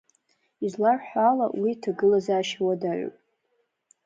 Изларҳәо ала, уи иҭагылазаашьа уадаҩуп.